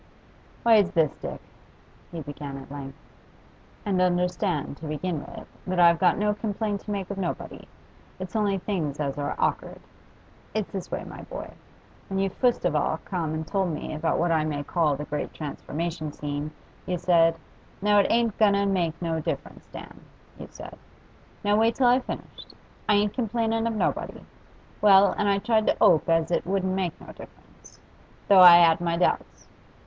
'Why, it's this, Dick,' he began at length. 'And understand, to begin with, that I've got no complaint to make of nobody; it's only things as are awk'ard. It's this way, my boy. When you fust of all come and told me about what I may call the great transformation scene, you said, "Now it ain't a goin' to make no difference, Dan," you said. Now wait till I've finished; I ain't complainin' of nobody. Well, and I tried to 'ope as it wouldn't make no difference, though I 'ad my doubts.